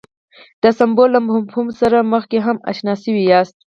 د سمبول له مفهوم سره مخکې هم اشنا شوي یاست.